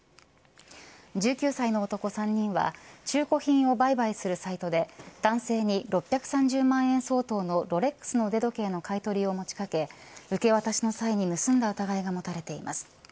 １９歳の男３人は中古品を売買するサイトで男性に６３０万円相当のロレックスの腕時計の買い取りを持ちかけ受け渡しの際に盗んだ疑いが持たれています。